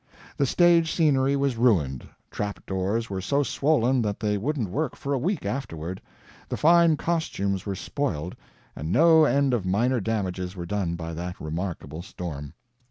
The stage scenery was ruined, trap doors were so swollen that they wouldn't work for a week afterward, the fine costumes were spoiled, and no end of minor damages were done by that remarkable storm.